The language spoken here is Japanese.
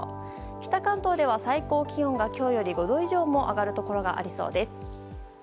北関東では最高気温が今日より５度以上も上がるところがありそうです。